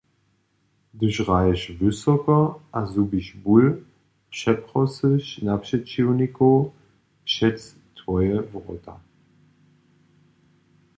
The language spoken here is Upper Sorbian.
Hdyž hraješ wysoko a zhubiš bul, přeprosyš napřećiwnikow před twoje wrota.